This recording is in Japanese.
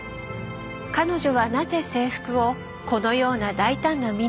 彼女はなぜ制服をこのような大胆なミニにしたのか？